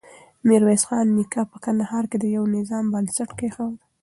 ميرويس خان نيکه په کندهار کې د يوه نظام بنسټ کېښود.